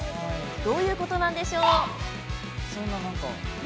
どういうことなんでしょう。